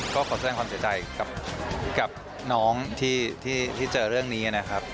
ก็ขอแสดงความเสียใจกับน้องที่เจอเรื่องนี้นะครับ